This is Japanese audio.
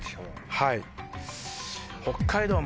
はい。